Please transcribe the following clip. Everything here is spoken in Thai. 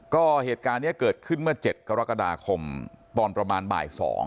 ก็เหตุการณ์นี้เกิดขึ้นเมื่อ๗กรกฎาคมตอนประมาณบ่าย๒